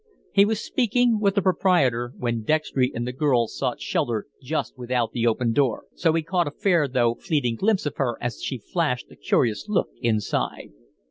He was speaking with the proprietor when Dextry and the girl sought shelter just without the open door, so he caught a fair though fleeting glimpse of her as she flashed a curious look inside.